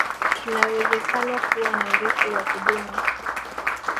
tunawezekano kuwa na urithi wa kudumu